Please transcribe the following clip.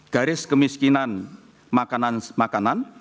garis kemiskinan makanan